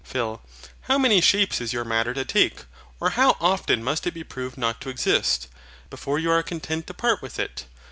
PHIL. How many shapes is your Matter to take? Or, how often must it be proved not to exist, before you are content to part with it?